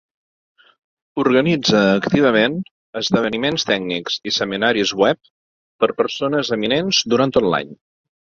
Organitza activament esdeveniments tècnics i seminaris web per persones eminents durant tot l'any.